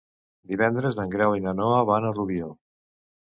Divendres en Grau i na Noa van a Rubió.